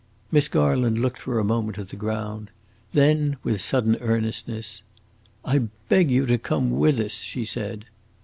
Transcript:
Miss Garland looked for a moment at the ground; and then, with sudden earnestness, "I beg you to come with us!" she said.